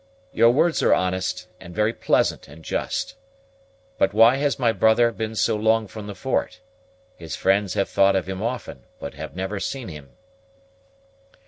"Your words are honest, and very pleasant and just. But why has my brother been so long from the fort? His friends have thought of him often, but have never seen him."